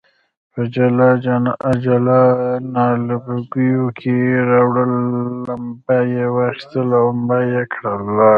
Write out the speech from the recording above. په جلا جلا نعلبکیو کې راوړل، لمبه یې واخیستل او مړه یې کړل.